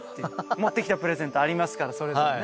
持って来たプレゼントありますからそれでもね。